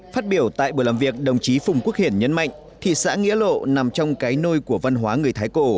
phát biểu tại buổi làm việc đồng chí phùng quốc hiển nhấn mạnh thị xã nghĩa lộ nằm trong cái nôi của văn hóa người thái cổ